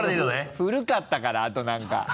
古かったからあと何か。